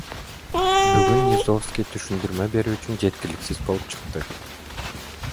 Бүгүн Низовский түшүндүрмө берүү үчүн жеткиликсиз болуп чыкты.